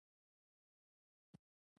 زه د فقر څخه بېرېږم، له بېغورۍ بېرېږم.